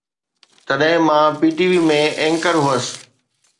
تڏهن مان P T V ۾ anchor هوس.